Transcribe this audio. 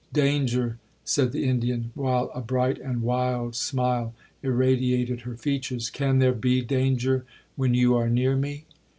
'Danger!' said the Indian, while a bright and wild smile irradiated her features; 'can there be danger when you are near me?'